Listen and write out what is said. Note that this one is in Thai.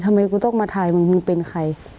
ทำไมกูต้องมาถ่ายมึงมึงเป็นใคร